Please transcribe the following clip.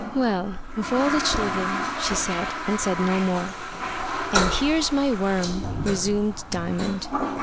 "Well! of all the children!" she said, and said no more. "And here's my worm," resumed Diamond.